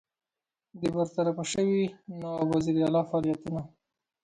د برطرفه سوي نواب وزیر علي فعالیتونو.